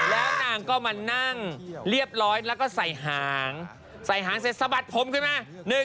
แล้วนางก็มานั่งเรียบร้อยแล้วก็ใส่หางใส่หางเสร็จสะบัดผมขึ้นมา